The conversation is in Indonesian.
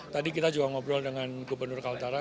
tadi kita juga ngobrol dengan gubernur kaltara